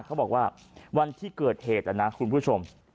เขาบอกว่าวันที่เกิดเหตุนะคุณผู้ชม